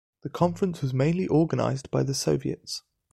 The conference was mainly organized by the Soviets.